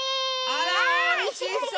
あらおいしそう！